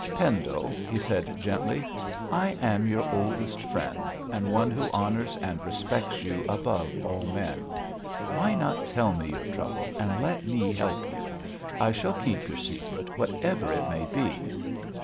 'Pendle,' he said gently, 'I am your oldest friend and one who honours and respects you above all men. Why not tell me your trouble and let me help you? I shall keep your secret, whatever it may be.'